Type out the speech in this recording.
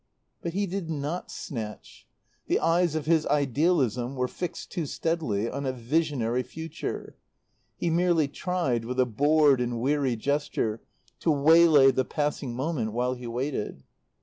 But he did not snatch. The eyes of his idealism were fixed too steadily on a visionary future. He merely tried, with a bored and weary gesture, to waylay the passing moment while he waited.